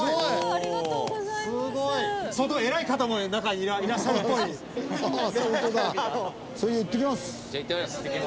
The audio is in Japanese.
ありがとうございます。